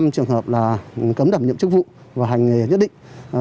năm trường hợp là cấm đảm nhiệm chức vụ và hành nghề nhất định